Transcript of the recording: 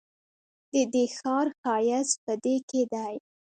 ددې ښار ښایست په دې کې دی.